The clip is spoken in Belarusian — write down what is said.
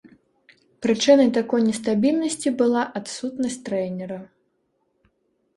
Прычынай такой нестабільнасці была адсутнасць трэнера.